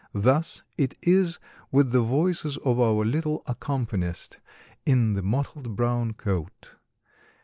Thus it is with the voices of our little accompanist in the mottled brown coat.